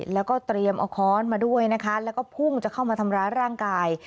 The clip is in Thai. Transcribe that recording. แล้วก็เตรียมเอาค้อนมาด้วยนะคะแล้วก็พุ่งจะเข้ามาทำร้ายร่างกาย